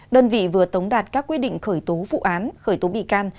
đơn vị vừa tống đạt các quyết định khởi tố vụ án khởi tố bị can